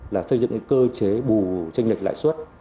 là xây dựng cái cơ chế bù tranh lệch lãi suất